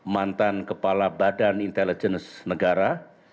mantan kepala badan intelijenus negara